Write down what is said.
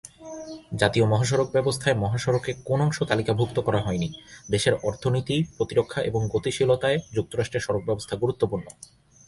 জাতীয় মহাসড়ক ব্যবস্থায় মহাসড়কে কোন অংশ তালিকাভুক্ত করা হয়নি, দেশের অর্থনীতি, প্রতিরক্ষা, এবং গতিশীলতায় যুক্তরাষ্ট্রের সড়ক ব্যবস্থা গুরুত্বপূর্ণ।